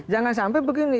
jangan sampai begini